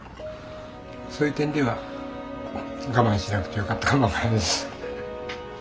そういう点では我慢しなくてよかったかも分からんです。